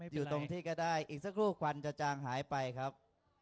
อยู่ตรงที่ก็ได้อีกสักครู่ควันจะจางหายไปครับ